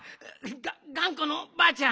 ががんこのばあちゃん。